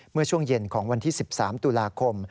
เมื่อช่วงเย็นของวันที่๑๓ตุลาคม